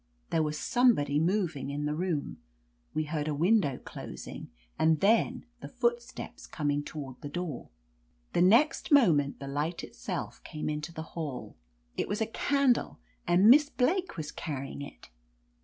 There was somebody moving in the room. We heard a window closing, and then the footsteps coming toward the door. The next moment the light itself came into the hall. 65 V i THE AMAZING ADVENTURES It was a candle, and Miss Blake was carry ing it